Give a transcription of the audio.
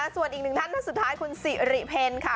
ส่วนอีกหนึ่งท่านท่านสุดท้ายคุณสิริเพลค่ะ